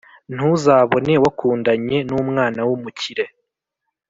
Ntuzabone wakundanye numwana wumukire